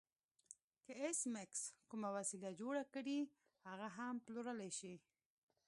که ایس میکس کومه وسیله جوړه کړي هغه هم پلورلی شي